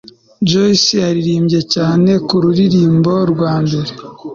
Joyce yaririmbye cyane kururirimbo rwa mbere